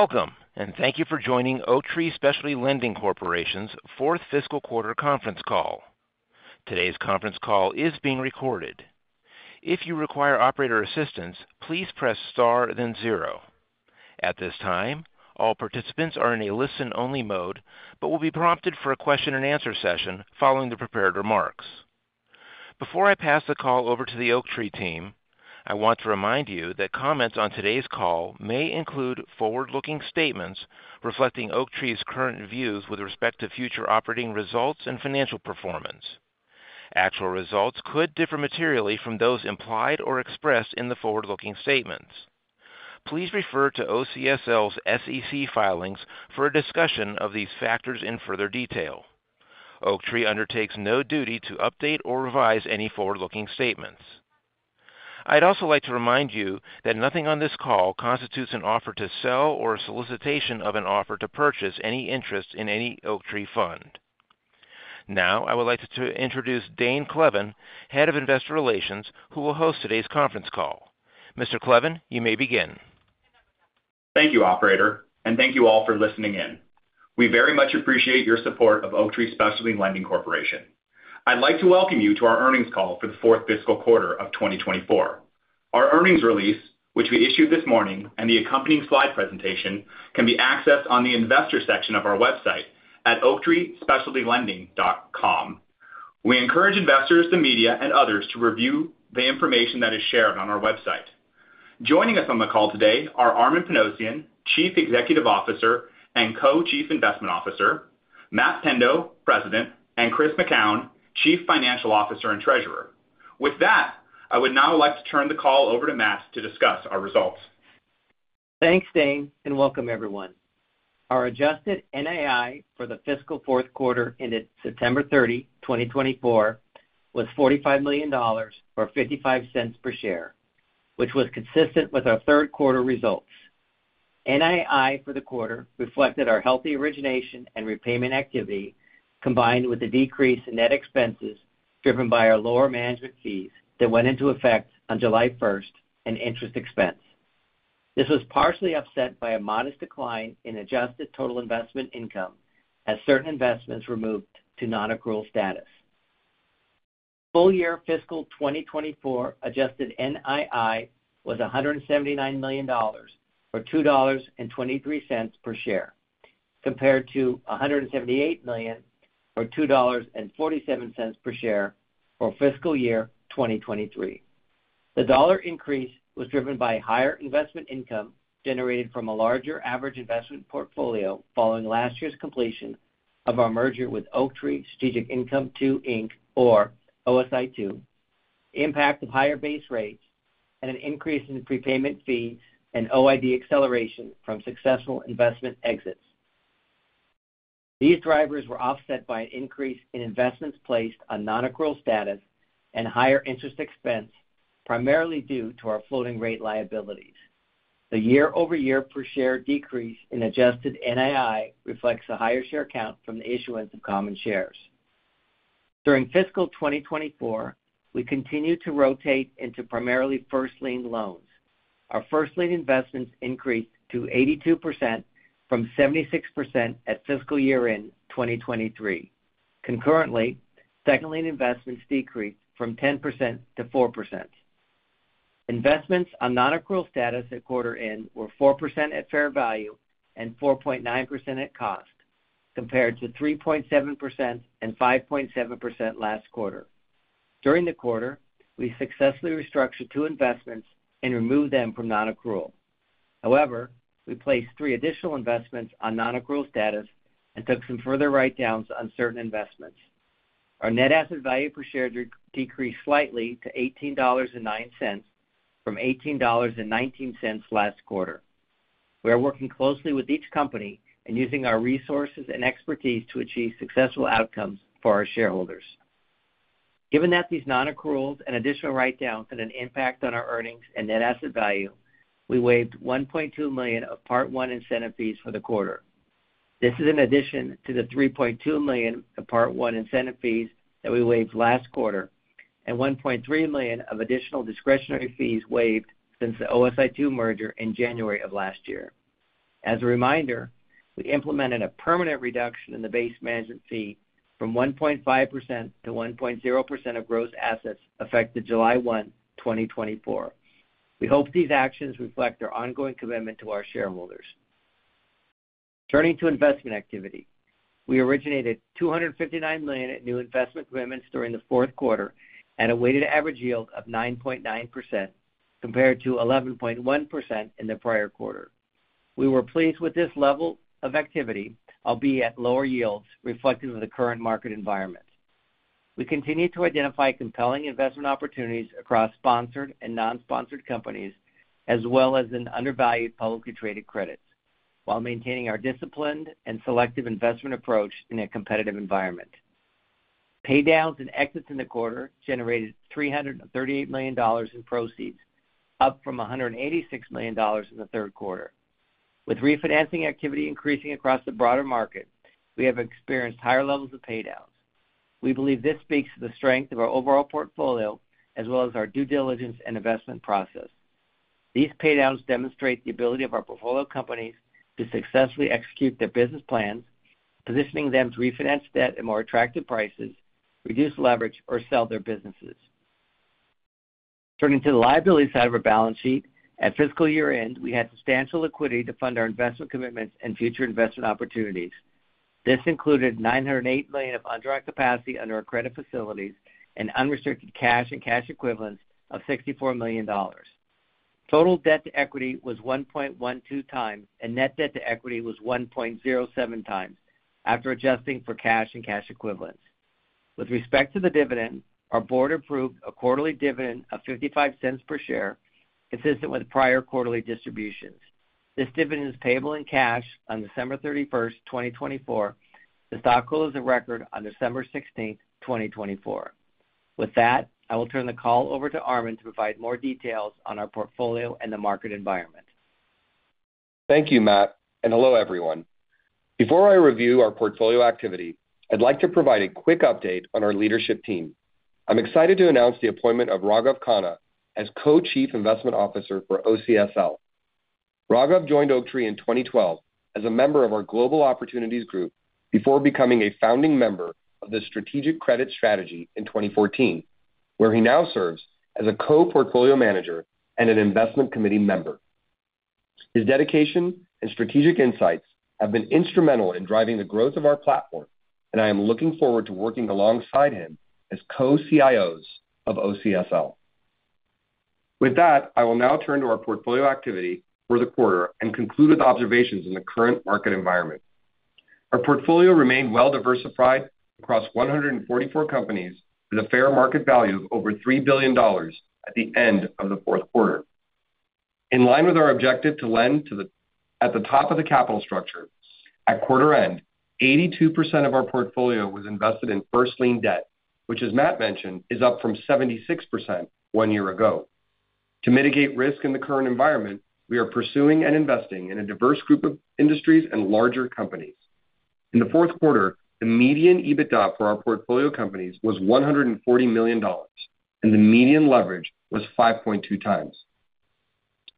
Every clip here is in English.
Welcome, and thank you for joining Oaktree Specialty Lending Corporation's fourth fiscal quarter conference call. Today's conference call is being recorded. If you require operator assistance, please press star, then zero. At this time, all participants are in a listen-only mode but will be prompted for a question-and-answer session following the prepared remarks. Before I pass the call over to the Oaktree team, I want to remind you that comments on today's call may include forward-looking statements reflecting Oaktree's current views with respect to future operating results and financial performance. Actual results could differ materially from those implied or expressed in the forward-looking statements. Please refer to OCSL's SEC filings for a discussion of these factors in further detail. Oaktree undertakes no duty to update or revise any forward-looking statements. I'd also like to remind you that nothing on this call constitutes an offer to sell or a solicitation of an offer to purchase any interest in any Oaktree fund. Now, I would like to introduce Dane Kleven, Head of Investor Relations, who will host today's conference call. Mr. Kleven, you may begin. Thank you, Operator, and thank you all for listening in. We very much appreciate your support of Oaktree Specialty Lending Corporation. I'd like to welcome you to our earnings call for the fourth fiscal quarter of 2024. Our earnings release, which we issued this morning, and the accompanying slide presentation can be accessed on the investor section of our website at oaktreespecialtylending.com. We encourage investors, the media, and others to review the information that is shared on our website. Joining us on the call today are Armen Panossian, Chief Executive Officer and Co-Chief Investment Officer, Matt Pendo, President, and Chris McKown, Chief Financial Officer and Treasurer. With that, I would now like to turn the call over to Matt to discuss our results. Thanks, Dane, and welcome, everyone. Our adjusted NII for the fiscal fourth quarter ended September 30, 2024, was $45 million or $0.55 per share, which was consistent with our third quarter results. NII for the quarter reflected our healthy origination and repayment activity combined with the decrease in net expenses driven by our lower management fees that went into effect on July 1st and interest expense. This was partially offset by a modest decline in adjusted total investment income as certain investments were moved to non-accrual status. Full year fiscal 2024 adjusted NII was $179 million or $2.23 per share, compared to $178 million or $2.47 per share for fiscal year 2023. The dollar increase was driven by higher investment income generated from a larger average investment portfolio following last year's completion of our merger with Oaktree Strategic Income II Inc, or OSI II, impact of higher base rates, and an increase in prepayment fees and OID acceleration from successful investment exits. These drivers were offset by an increase in investments placed on non-accrual status and higher interest expense, primarily due to our floating rate liabilities. The year-over-year per share decrease in adjusted NII reflects a higher share count from the issuance of common shares. During fiscal 2024, we continued to rotate into primarily first-lien loans. Our first-lien investments increased to 82% from 76% at fiscal year-end 2023. Concurrently, second-lien investments decreased from 10%-4%. Investments on non-accrual status at quarter-end were 4% at fair value and 4.9% at cost, compared to 3.7% and 5.7% last quarter. During the quarter, we successfully restructured two investments and removed them from non-accrual. However, we placed three additional investments on non-accrual status and took some further write-downs on certain investments. Our net asset value per share decreased slightly to $18.09 from $18.19 last quarter. We are working closely with each company and using our resources and expertise to achieve successful outcomes for our shareholders. Given that these non-accruals and additional write-downs had an impact on our earnings and net asset value, we waived $1.2 million of Part I incentive fees for the quarter. This is in addition to the $3.2 million of Part I incentive fees that we waived last quarter and $1.3 million of additional discretionary fees waived since the OSI II merger in January of last year. As a reminder, we implemented a permanent reduction in the base management fee from 1.5%-1.0% of gross assets effective July 1, 2024. We hope these actions reflect our ongoing commitment to our shareholders. Turning to investment activity, we originated $259 million in new investment commitments during the fourth quarter at a weighted average yield of 9.9% compared to 11.1% in the prior quarter. We were pleased with this level of activity, albeit at lower yields reflected in the current market environment. We continue to identify compelling investment opportunities across sponsored and non-sponsored companies, as well as in undervalued publicly traded credits, while maintaining our disciplined and selective investment approach in a competitive environment. Paydowns and exits in the quarter generated $338 million in proceeds, up from $186 million in the third quarter. With refinancing activity increasing across the broader market, we have experienced higher levels of paydowns. We believe this speaks to the strength of our overall portfolio, as well as our due diligence and investment process. These paydowns demonstrate the ability of our portfolio companies to successfully execute their business plans, positioning them to refinance debt at more attractive prices, reduce leverage, or sell their businesses. Turning to the liability side of our balance sheet, at fiscal year-end, we had substantial liquidity to fund our investment commitments and future investment opportunities. This included $908 million of underdrawn capacity under our credit facilities and unrestricted cash and cash equivalents of $64 million. Total debt to equity was 1.12x, and net debt to equity was 1.07x after adjusting for cash and cash equivalents. With respect to the dividend, our board approved a quarterly dividend of $0.55 per share, consistent with prior quarterly distributions. This dividend is payable in cash on December 31, 2024, to stockholders of record on December 16, 2024. With that, I will turn the call over to Armen to provide more details on our portfolio and the market environment. Thank you, Matt, and hello, everyone. Before I review our portfolio activity, I'd like to provide a quick update on our leadership team. I'm excited to announce the appointment of Raghav Khanna as Co-Chief Investment Officer for OCSL. Raghav joined Oaktree in 2012 as a member of our Global Opportunities group before becoming a founding member of the Strategic Credit strategy in 2014, where he now serves as a co-portfolio manager and an investment committee member. His dedication and strategic insights have been instrumental in driving the growth of our platform, and I am looking forward to working alongside him as co-CIOs of OCSL. With that, I will now turn to our portfolio activity for the quarter and conclude with observations in the current market environment. Our portfolio remained well-diversified across 144 companies with a fair market value of over $3 billion at the end of the fourth quarter. In line with our objective to lend at the top of the capital structure, at quarter-end, 82% of our portfolio was invested in first-lien debt, which, as Matt mentioned, is up from 76% one year ago. To mitigate risk in the current environment, we are pursuing and investing in a diverse group of industries and larger companies. In the fourth quarter, the median EBITDA for our portfolio companies was $140 million, and the median leverage was 5.2x.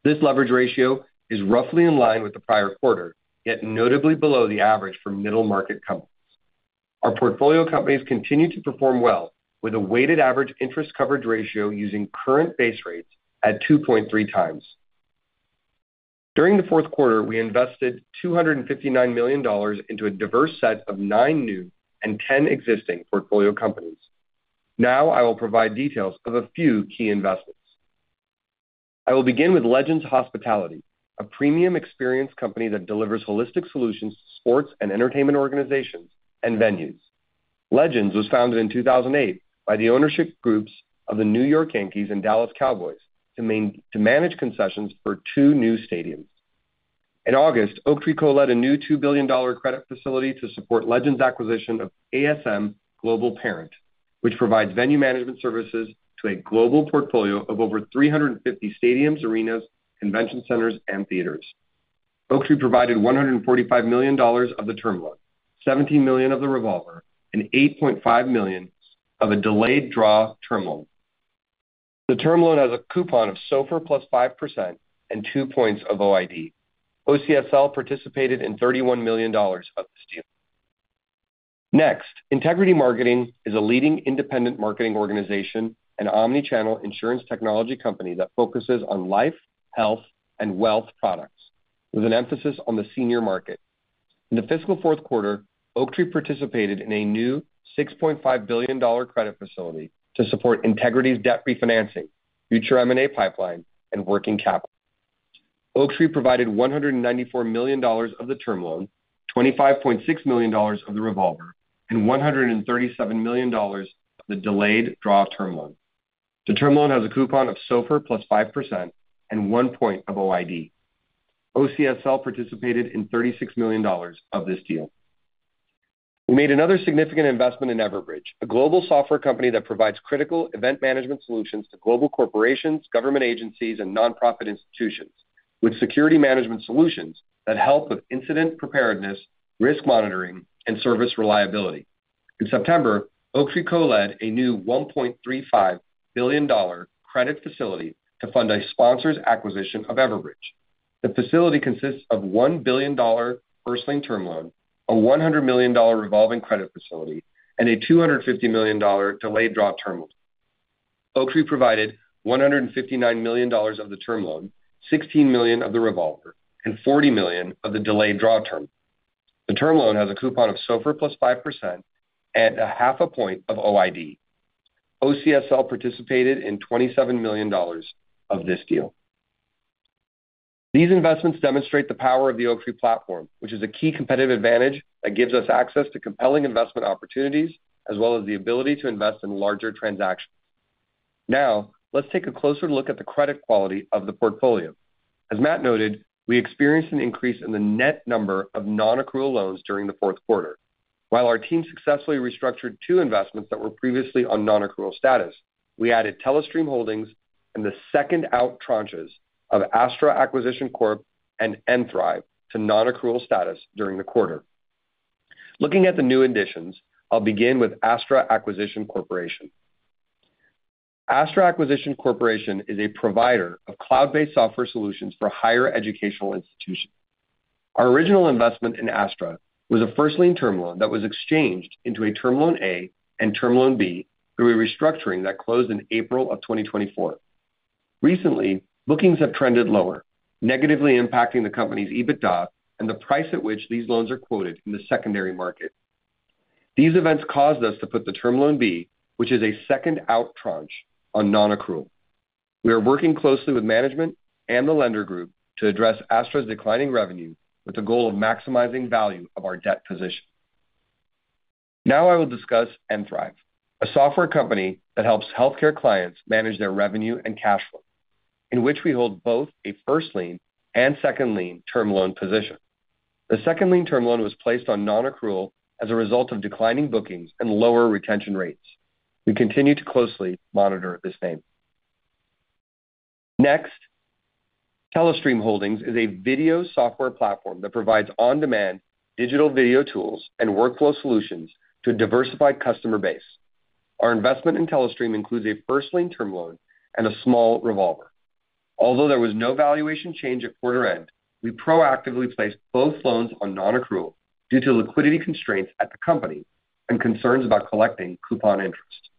This leverage ratio is roughly in line with the prior quarter, yet notably below the average for middle market companies. Our portfolio companies continue to perform well, with a weighted average interest coverage ratio using current base rates at 2.3x. During the fourth quarter, we invested $259 million into a diverse set of nine new and 10 existing portfolio companies. Now, I will provide details of a few key investments. I will begin with Legends Hospitality, a premium experience company that delivers holistic solutions to sports and entertainment organizations and venues. Legends was founded in 2008 by the ownership groups of the New York Yankees and Dallas Cowboys to manage concessions for two new stadiums. In August, Oaktree led a new $2 billion credit facility to support Legends' acquisition of ASM Global Parent, which provides venue management services to a global portfolio of over 350 stadiums, arenas, convention centers, and theaters. Oaktree provided $145 million of the term loan, $17 million of the revolver, and $8.5 million of a delayed draw term loan. The term loan has a coupon of SOFR +5% and two points of OID. OCSL participated in $31 million of this deal. Next, Integrity Marketing is a leading independent marketing organization, an omnichannel insurance technology company that focuses on life, health, and wealth products, with an emphasis on the senior market. In the fiscal fourth quarter, Oaktree participated in a new $6.5 billion credit facility to support Integrity's debt refinancing, future M&A pipeline, and working capital. Oaktree provided $194 million of the term loan, $25.6 million of the revolver, and $137 million of the delayed draw term loan. The term loan has a coupon of SOFR +5% and one point of OID. OCSL participated in $36 million of this deal. We made another significant investment in Everbridge, a global software company that provides critical event management solutions to global corporations, government agencies, and nonprofit institutions, with security management solutions that help with incident preparedness, risk monitoring, and service reliability. In September, Oaktree co-led a new $1.35 billion credit facility to fund a sponsor's acquisition of Everbridge. The facility consists of a $1 billion first-lien term loan, a $100 million revolving credit facility, and a $250 million delayed draw term loan. Oaktree provided $159 million of the term loan, $16 million of the revolver, and $40 million of the delayed draw term loan. The term loan has a coupon of SOFR plus 5% and 0.5 point of OID. OCSL participated in $27 million of this deal. These investments demonstrate the power of the Oaktree platform, which is a key competitive advantage that gives us access to compelling investment opportunities, as well as the ability to invest in larger transactions. Now, let's take a closer look at the credit quality of the portfolio. As Matt noted, we experienced an increase in the net number of non-accrual loans during the fourth quarter. While our team successfully restructured two investments that were previously on non-accrual status, we added Telestream Holdings and the second-out tranches of Astra Acquisition Corp and FinThrive to non-accrual status during the quarter. Looking at the new additions, I'll begin with Astra Acquisition Corporation. Astra Acquisition Corporation is a provider of cloud-based software solutions for higher educational institutions. Our original investment in Astra was a first-lien term loan that was exchanged into a Term Loan A and Term Loan B through a restructuring that closed in April of 2024. Recently, bookings have trended lower, negatively impacting the company's EBITDA and the price at which these loans are quoted in the secondary market. These events caused us to put the Term Loan B, which is a second-out tranche, on non-accrual. We are working closely with management and the lender group to address Astra's declining revenue with the goal of maximizing value of our debt position. Now, I will discuss FinThrive, a software company that helps healthcare clients manage their revenue and cash flow, in which we hold both a first-lien and second-lien term loan position. The second-lien term loan was placed on non-accrual as a result of declining bookings and lower retention rates. We continue to closely monitor this name. Next, Telestream Holdings is a video software platform that provides on-demand digital video tools and workflow solutions to a diversified customer base. Our investment in Telestream includes a first-lien term loan and a small revolver. Although there was no valuation change at quarter-end, we proactively placed both loans on non-accrual due to liquidity constraints at the company and concerns about collecting coupon interest.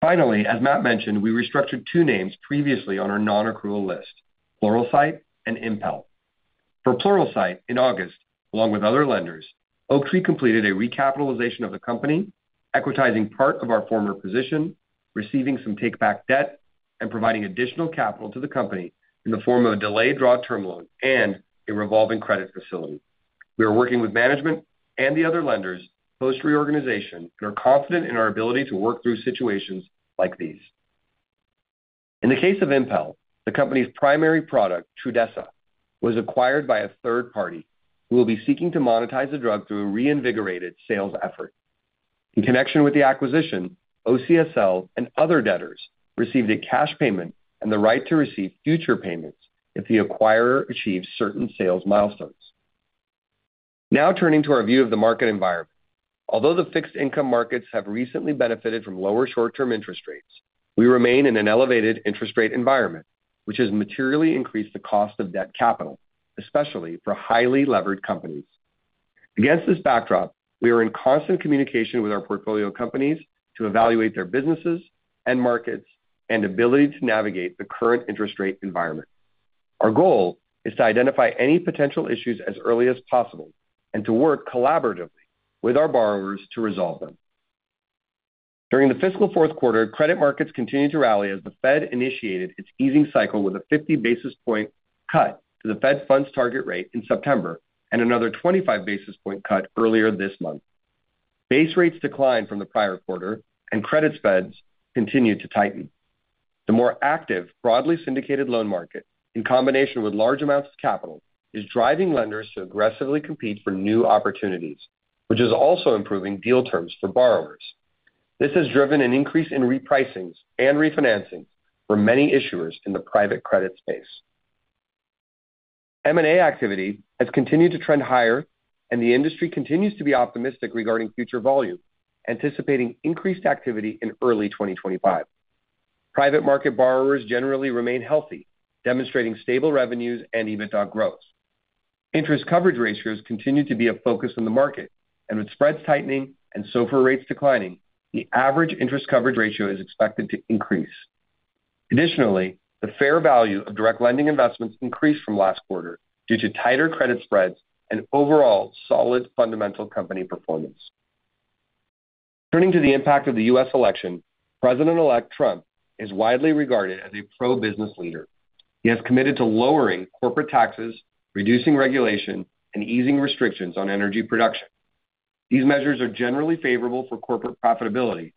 Finally, as Matt mentioned, we restructured two names previously on our non-accrual list: Pluralsight and Impel. For Pluralsight, in August, along with other lenders, Oaktree completed a recapitalization of the company, equitizing part of our former position, receiving some take-back debt, and providing additional capital to the company in the form of a delayed draw term loan and a revolving credit facility. We are working with management and the other lenders post-reorganization and are confident in our ability to work through situations like these. In the case of Impel, the company's primary product, Trudhesa, was acquired by a third party who will be seeking to monetize the drug through a reinvigorated sales effort. In connection with the acquisition, OCSL and other debtors received a cash payment and the right to receive future payments if the acquirer achieves certain sales milestones. Now, turning to our view of the market environment. Although the fixed income markets have recently benefited from lower short-term interest rates, we remain in an elevated interest rate environment, which has materially increased the cost of debt capital, especially for highly levered companies. Against this backdrop, we are in constant communication with our portfolio companies to evaluate their businesses and markets and ability to navigate the current interest rate environment. Our goal is to identify any potential issues as early as possible and to work collaboratively with our borrowers to resolve them. During the fiscal fourth quarter, credit markets continued to rally as the Fed initiated its easing cycle with a 50 basis point cut to the Fed Funds target rate in September and another 25 basis point cut earlier this month. Base rates declined from the prior quarter, and credit spreads continued to tighten. The more active, broadly syndicated loan market, in combination with large amounts of capital, is driving lenders to aggressively compete for new opportunities, which is also improving deal terms for borrowers. This has driven an increase in repricings and refinancing for many issuers in the private credit space. M&A activity has continued to trend higher, and the industry continues to be optimistic regarding future volume, anticipating increased activity in early 2025. Private market borrowers generally remain healthy, demonstrating stable revenues and EBITDA growth. Interest coverage ratios continue to be a focus in the market, and with spreads tightening and SOFR rates declining, the average interest coverage ratio is expected to increase. Additionally, the fair value of direct lending investments increased from last quarter due to tighter credit spreads and overall solid fundamental company performance. Turning to the impact of the U.S. Election, President-elect Trump is widely regarded as a pro-business leader. He has committed to lowering corporate taxes, reducing regulation, and easing restrictions on energy production. These measures are generally favorable for corporate profitability.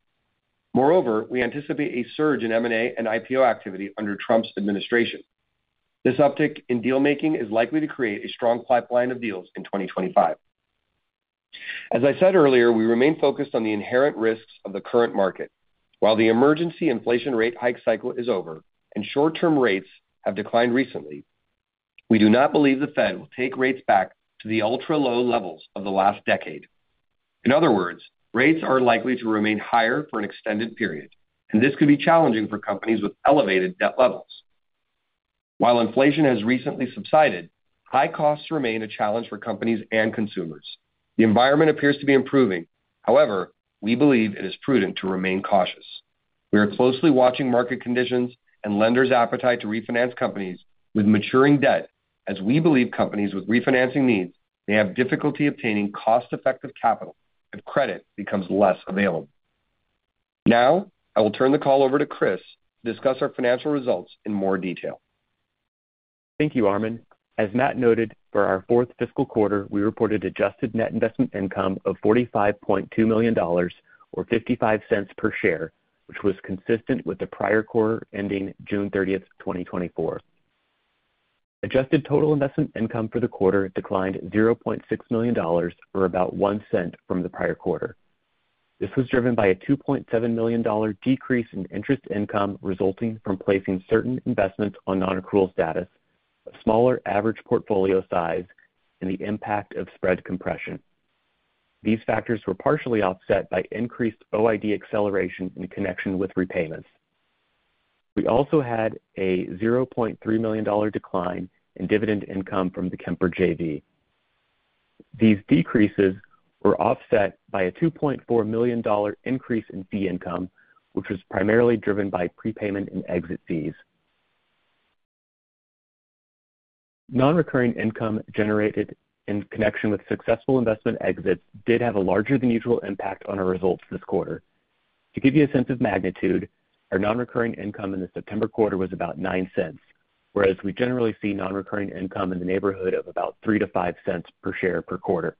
Moreover, we anticipate a surge in M&A and IPO activity under Trump's administration. This uptick in deal-making is likely to create a strong pipeline of deals in 2025. As I said earlier, we remain focused on the inherent risks of the current market. While the emergency inflation rate hike cycle is over and short-term rates have declined recently, we do not believe the Fed will take rates back to the ultra-low levels of the last decade. In other words, rates are likely to remain higher for an extended period, and this could be challenging for companies with elevated debt levels. While inflation has recently subsided, high costs remain a challenge for companies and consumers. The environment appears to be improving. However, we believe it is prudent to remain cautious. We are closely watching market conditions and lenders' appetite to refinance companies with maturing debt, as we believe companies with refinancing needs may have difficulty obtaining cost-effective capital if credit becomes less available. Now, I will turn the call over to Chris to discuss our financial results in more detail. Thank you, Armen. As Matt noted, for our fourth fiscal quarter, we reported adjusted net investment income of $45.2 million, or $0.55 per share, which was consistent with the prior quarter ending June 30, 2024. Adjusted total investment income for the quarter declined $0.6 million, or about $0.01 from the prior quarter. This was driven by a $2.7 million decrease in interest income resulting from placing certain investments on non-accrual status, a smaller average portfolio size, and the impact of spread compression. These factors were partially offset by increased OID acceleration in connection with repayments. We also had a $0.3 million decline in dividend income from the Kemper JV. These decreases were offset by a $2.4 million increase in fee income, which was primarily driven by prepayment and exit fees. Non-recurring income generated in connection with successful investment exits did have a larger than usual impact on our results this quarter. To give you a sense of magnitude, our non-recurring income in the September quarter was about 9 cents, whereas we generally see non-recurring income in the neighborhood of about 0.03-0.05 cents per share per quarter.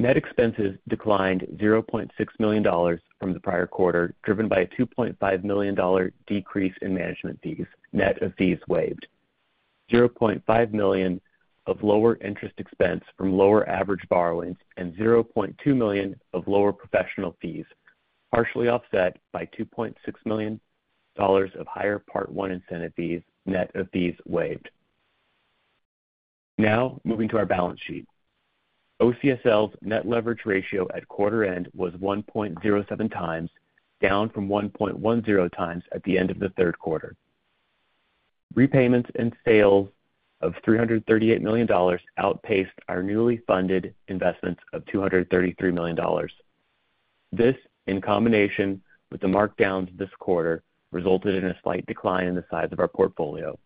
Net expenses declined $0.6 million from the prior quarter, driven by a $2.5 million decrease in management fees. Net of fees waived. $0.5 million of lower interest expense from lower average borrowings and $0.2 million of lower professional fees, partially offset by $2.6 million of higher Part I incentive fees. Net of fees waived. Now, moving to our balance sheet. OCSL's net leverage ratio at quarter-end was 1.07x, down from 1.10x at the end of the third quarter. Repayments and sales of $338 million outpaced our newly funded investments of $233 million. This, in combination with the markdowns this quarter, resulted in a slight decline in the size of our portfolio.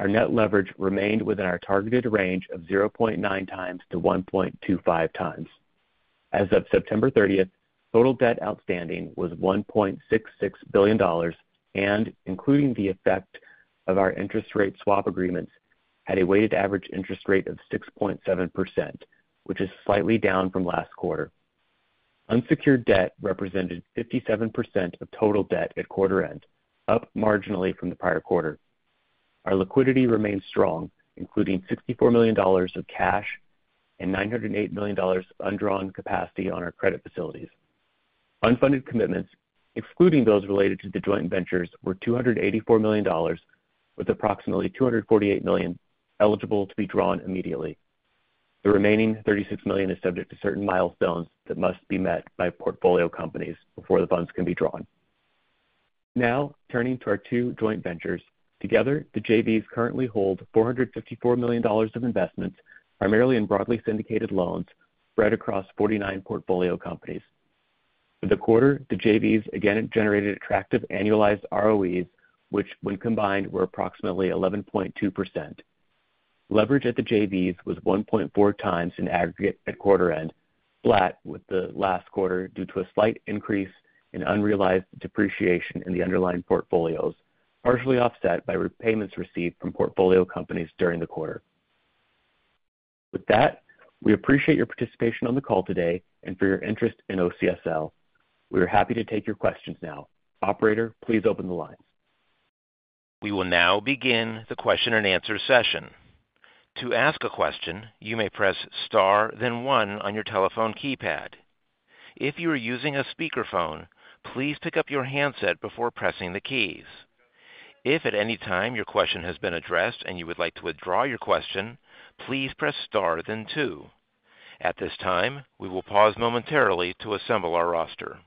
Our net leverage remained within our targeted range of 0.9-1.25x. As of September 30, total debt outstanding was $1.66 billion, and including the effect of our interest rate swap agreements, had a weighted average interest rate of 6.7%, which is slightly down from last quarter. Unsecured debt represented 57% of total debt at quarter-end, up marginally from the prior quarter. Our liquidity remained strong, including $64 million of cash and $908 million undrawn capacity on our credit facilities. Unfunded commitments, excluding those related to the joint ventures, were $284 million, with approximately $248 million eligible to be drawn immediately. The remaining $36 million is subject to certain milestones that must be met by portfolio companies before the funds can be drawn. Now, turning to our two joint ventures. Together, the JVs currently hold $454 million of investments, primarily in broadly syndicated loans, spread across 49 portfolio companies. For the quarter, the JVs again generated attractive annualized ROEs, which when combined were approximately 11.2%. Leverage at the JVs was 1.4x in aggregate at quarter-end, flat with the last quarter due to a slight increase in unrealized depreciation in the underlying portfolios, partially offset by repayments received from portfolio companies during the quarter. With that, we appreciate your participation on the call today and for your interest in OCSL. We are happy to take your questions now. Operator, please open the lines. We will now begin the question and answer session. To ask a question, you may press star, then one on your telephone keypad. If you are using a speakerphone, please pick up your handset before pressing the keys. If at any time your question has been addressed and you would like to withdraw your question, please press star, then two. At this time, we will pause momentarily to assemble our roster.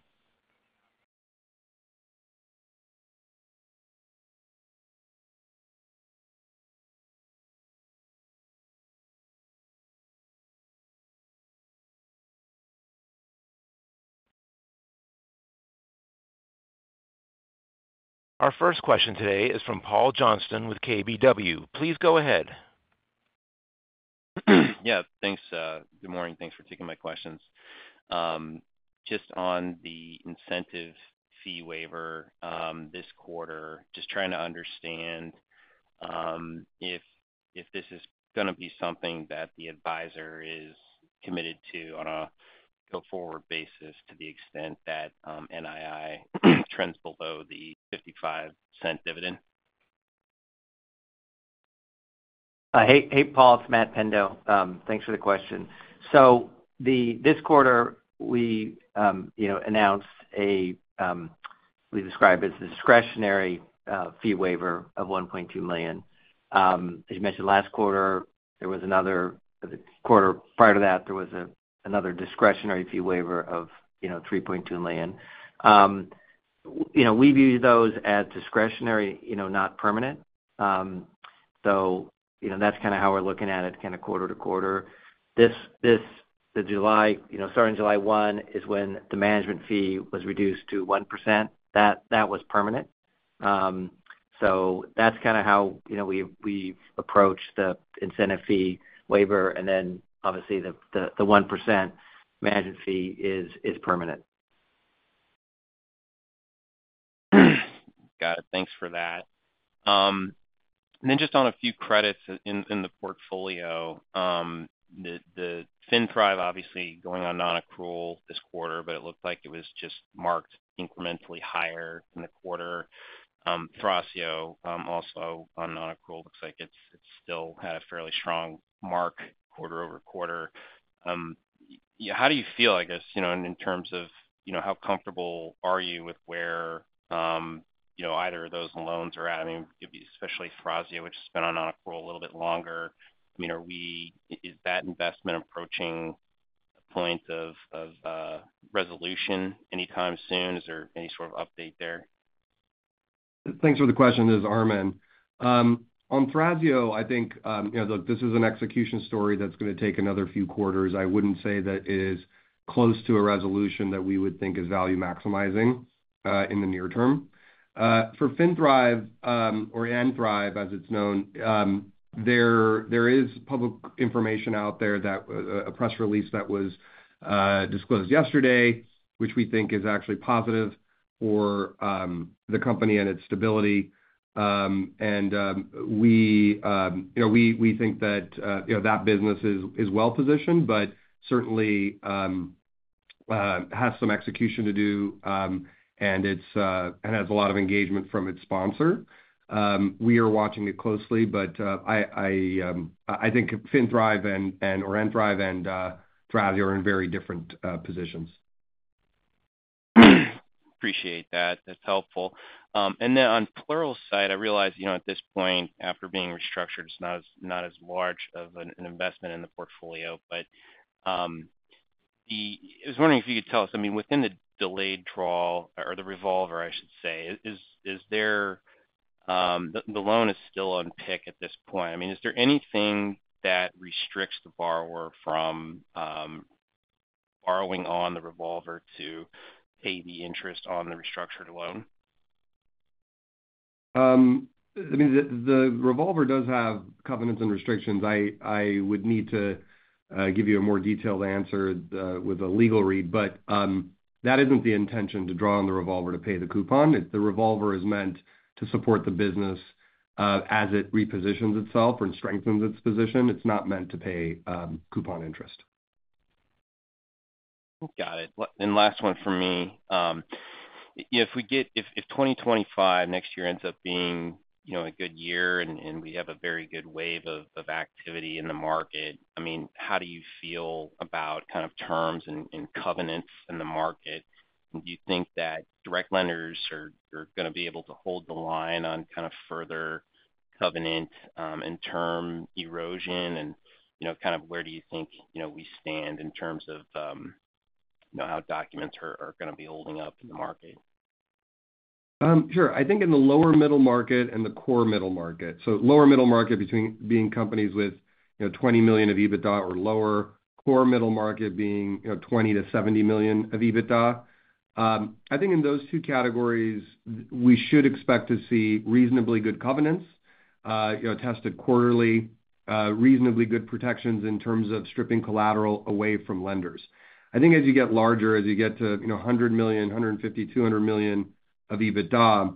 Our first question today is from Paul Johnson with KBW. Please go ahead. Yeah, thanks. Good morning. Thanks for taking my questions. Just on the incentive fee waiver this quarter, just trying to understand if this is going to be something that the advisor is committed to on a go-forward basis to the extent that NII trends below the $0.55 dividend. Hey, Paul. It's Matt Pendo. Thanks for the question. So this quarter, we announced a—we describe it as a discretionary fee waiver of $1.2 million. As you mentioned, last quarter, there was another—the quarter prior to that, there was another discretionary fee waiver of $3.2 million. We view those as discretionary, not permanent. So that's kind of how we're looking at it, kind of quarter to quarter. The July—starting July 1 is when the management fee was reduced to 1%. That was permanent. That's kind of how we've approached the incentive fee waiver, and then obviously the 1% management fee is permanent. Got it. Thanks for that. And then just on a few credits in the portfolio, the FinThrive, obviously going on non-accrual this quarter, but it looked like it was just marked incrementally higher in the quarter. Thrasio, also on non-accrual, looks like it still had a fairly strong mark quarter over quarter. How do you feel, I guess, in terms of how comfortable are you with where either of those loans are at? I mean, especially Thrasio, which has been on non-accrual a little bit longer. I mean, is that investment approaching a point of resolution anytime soon? Is there any sort of update there? Thanks for the question, this is Armen. On Thrasio, I think this is an execution story that's going to take another few quarters. I wouldn't say that it is close to a resolution that we would think is value maximizing in the near term. For FinThrive, or nThrive, as it's known, there is public information out there that, a press release that was disclosed yesterday, which we think is actually positive for the company and its stability. And we think that that business is well positioned, but certainly has some execution to do and has a lot of engagement from its sponsor. We are watching it closely, but I think FinThrive and nThrive and Thrasio are in very different positions. Appreciate that. That's helpful. And then on Pluralsight's side, I realize at this point, after being restructured, it's not as large of an investment in the portfolio, but I was wondering if you could tell us. I mean, within the delayed draw, or the revolver, I should say, is there—the loan is still on PIK at this point. I mean, is there anything that restricts the borrower from borrowing on the revolver to pay the interest on the restructured loan? I mean, the revolver does have covenants and restrictions. I would need to give you a more detailed answer with a legal read, but that isn't the intention to draw on the revolver to pay the coupon. The revolver is meant to support the business as it repositions itself and strengthens its position. It's not meant to pay coupon interest. Got it. And last one for me. If 2025 next year ends up being a good year and we have a very good wave of activity in the market, I mean, how do you feel about kind of terms and covenants in the market? Do you think that direct lenders are going to be able to hold the line on kind of further covenant and term erosion? And kind of where do you think we stand in terms of how documents are going to be holding up in the market? Sure. I think in the lower middle market and the core middle market. So lower middle market being companies with $20 million of EBITDA or lower. Core middle market being $20 million-$70 million of EBITDA. I think in those two categories, we should expect to see reasonably good covenants, tested quarterly, reasonably good protections in terms of stripping collateral away from lenders. I think as you get larger, as you get to 100 million, 150 million, 200 million of EBITDA,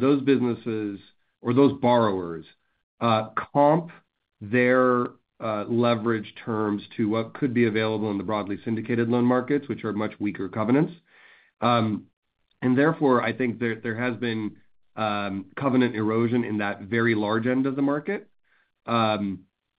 those businesses or those borrowers comp their leverage terms to what could be available in the broadly syndicated loan markets, which are much weaker covenants. And therefore, I think there has been covenant erosion in that very large end of the market.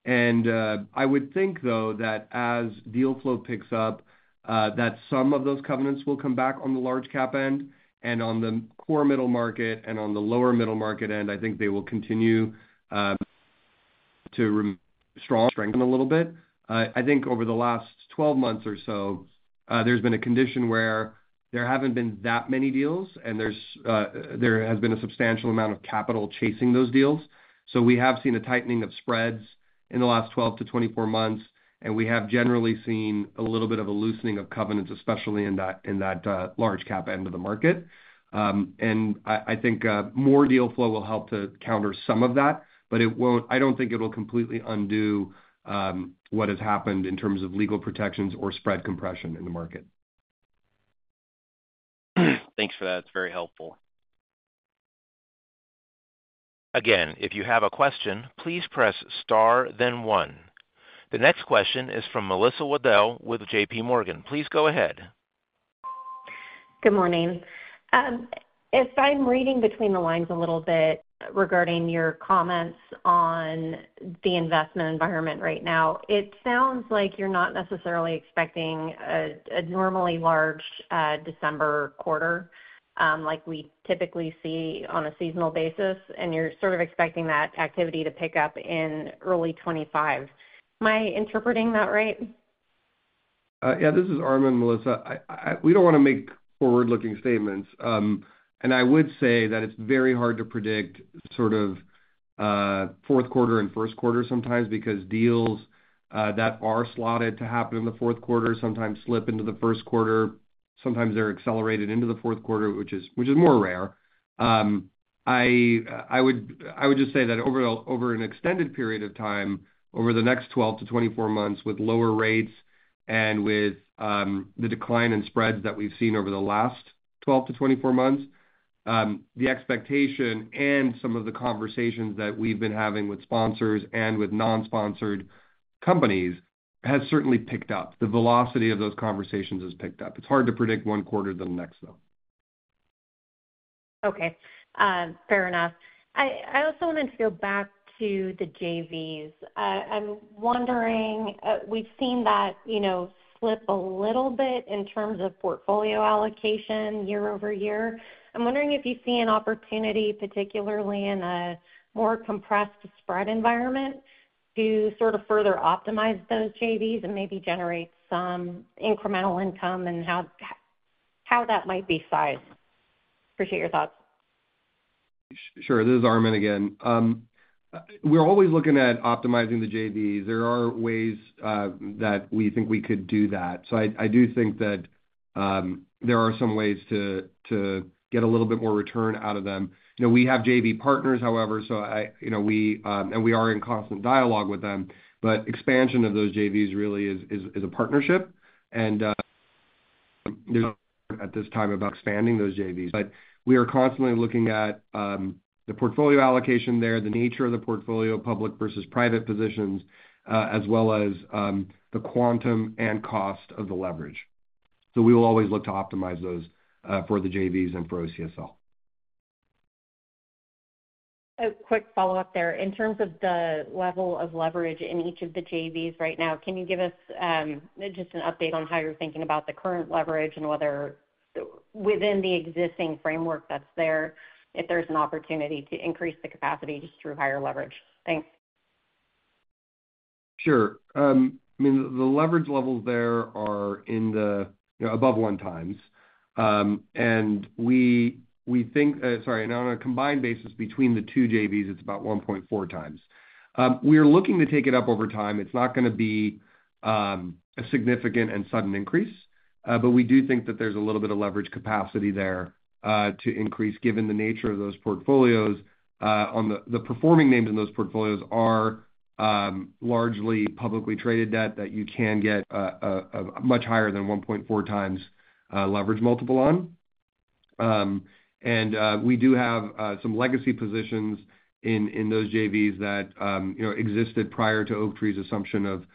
And I would think, though, that as deal flow picks up, that some of those covenants will come back on the large cap end. And on the core middle market and on the lower middle market end, I think they will continue to strengthen a little bit. I think over the last 12 months or so, there's been a condition where there haven't been that many deals, and there has been a substantial amount of capital chasing those deals. So we have seen a tightening of spreads in the last 12-24 months, and we have generally seen a little bit of a loosening of covenants, especially in that large cap end of the market. And I think more deal flow will help to counter some of that, but I don't think it will completely undo what has happened in terms of legal protections or spread compression in the market. Thanks for that. It's very helpful. Again, if you have a question, please press star, then one. The next question is from Melissa Wedel with J.P. Morgan. Please go ahead. Good morning. If I'm reading between the lines a little bit regarding your comments on the investment environment right now, it sounds like you're not necessarily expecting a normally large December quarter like we typically see on a seasonal basis, and you're sort of expecting that activity to pick up in early 2025. Am I interpreting that right? Yeah, this is Armen, Melissa. We don't want to make forward-looking statements, and I would say that it's very hard to predict sort of fourth quarter and first quarter sometimes because deals that are slotted to happen in the fourth quarter sometimes slip into the first quarter. Sometimes they're accelerated into the fourth quarter, which is more rare. I would just say that over an extended period of time, over the next 12-24 months, with lower rates and with the decline in spreads that we've seen over the last 12-24 months, the expectation and some of the conversations that we've been having with sponsors and with non-sponsored companies has certainly picked up. The velocity of those conversations has picked up. It's hard to predict one quarter to the next, though. Okay. Fair enough. I also wanted to go back to the JVs. We've seen that slip a little bit in terms of portfolio allocation year over year. I'm wondering if you see an opportunity, particularly in a more compressed spread environment, to sort of further optimize those JVs and maybe generate some incremental income and how that might be sized. Appreciate your thoughts. Sure. This is Armen again. We're always looking at optimizing the JVs. There are ways that we think we could do that. So I do think that there are some ways to get a little bit more return out of them. We have JV partners, however, and we are in constant dialogue with them. But expansion of those JVs really is a partnership. And there's a lot of work at this time about expanding those JVs. But we are constantly looking at the portfolio allocation there, the nature of the portfolio, public versus private positions, as well as the quantum and cost of the leverage. So we will always look to optimize those for the JVs and for OCSL. A quick follow-up there. In terms of the level of leverage in each of the JVs right now, can you give us just an update on how you're thinking about the current leverage and whether, within the existing framework that's there, if there's an opportunity to increase the capacity just through higher leverage? Thanks. Sure. I mean, the leverage levels there are in the above one times. And we think, sorry, on a combined basis between the two JVs, it's about 1.4x. We are looking to take it up over time. It's not going to be a significant and sudden increase, but we do think that there's a little bit of leverage capacity there to increase given the nature of those portfolios. The performing names in those portfolios are largely publicly traded debt that you can get much higher than 1.4x leverage multiple on. And we do have some legacy positions in those JVs that existed prior to Oaktree's assumption of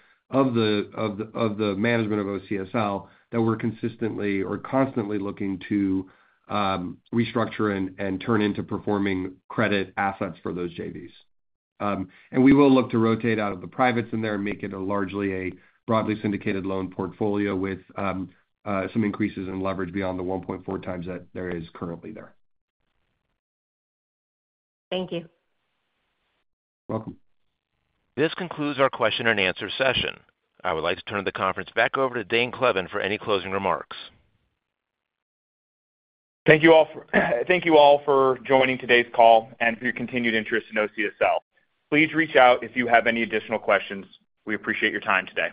the management of OCSL that we're consistently or constantly looking to restructure and turn into performing credit assets for those JVs. And we will look to rotate out of the privates in there and make it largely a broadly syndicated loan portfolio with some increases in leverage beyond the 1.4x that there is currently there. Thank you. Welcome. This concludes our question and answer session. I would like to turn the conference back over to Dane Kleven for any closing remarks. Thank you all for joining today's call and for your continued interest in OCSL. Please reach out if you have any additional questions. We appreciate your time today.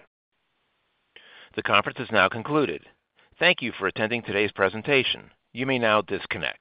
The conference is now concluded. Thank you for attending today's presentation. You may now disconnect.